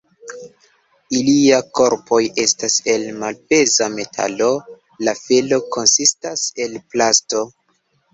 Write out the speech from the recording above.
Ilia korpoj estas el malpeza metalo, la felo konsistas el plasto.